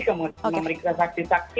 kemudian memberikan saksi saksi